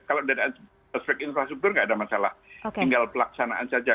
kalau dari aspek infrastruktur nggak ada masalah tinggal pelaksanaan saja